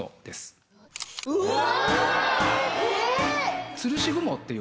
うわ！